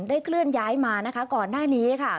เคลื่อนย้ายมานะคะก่อนหน้านี้ค่ะ